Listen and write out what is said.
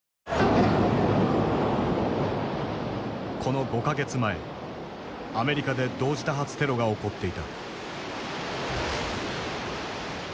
この５か月前アメリカで同時多発テロが起こっていた。